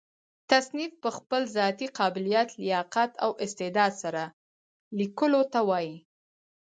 تصنیف په خپل ذاتي قابلیت، لیاقت او استعداد سره؛ ليکلو ته وايي.